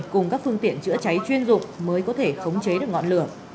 cùng các phương tiện chữa cháy chuyên dụng mới có thể khống chế được ngọn lửa